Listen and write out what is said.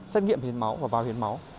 xét nghiệm hiến máu và vào hiến máu